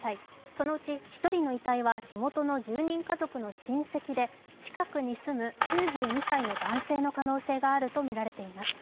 そのうち１人の遺体は火元の住人家族の親戚で近くに住む９２歳の男性の可能性があるとみられています。